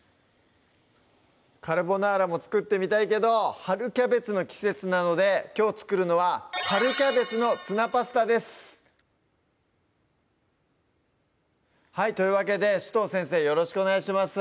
「カルボナーラ」も作ってみたいけど春キャベツの季節なのできょう作るのは「春キャベツのツナパスタ」ですというわけで紫藤先生よろしくお願いします